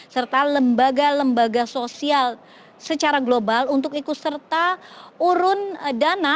serta lembaga lembaga sosial secara global untuk ikut serta urun dana